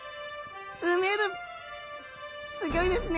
すギョいですね！